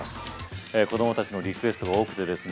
子供たちのリクエストが多くてですね